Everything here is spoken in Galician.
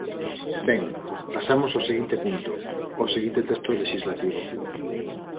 Ben, pasamos ao seguinte punto, ao seguinte texto lexislativo.